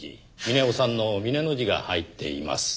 峰夫さんの峰の字が入っています。